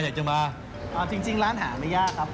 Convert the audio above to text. อ่าจริงร้านหาไม่ยากครับ